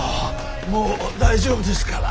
もう大丈夫ですから。